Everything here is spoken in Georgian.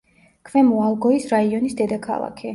ქვემო ალგოის რაიონის დედაქალაქი.